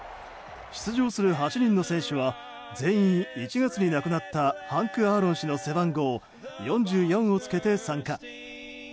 出場する８人の選手は全員１月に亡くなったハンク・アーロン氏の背番号４４をつけて参加。